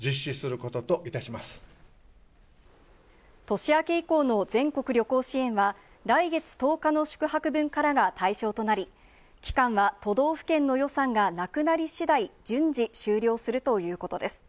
年明け以降の全国旅行支援は来月１０日の宿泊分からが対象となり、期間は都道府県の予算がなくなり次第、順次終了するということです。